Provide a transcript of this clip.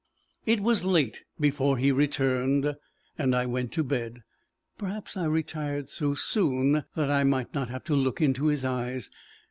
It was late before he returned, and I went to bed. Perhaps I retired so soon that I might not have to look into his eyes.